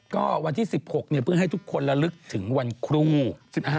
ก็วันที่๑๖เนี่ยเพิ่งให้ทุกคนละลึกถึงวันคลุง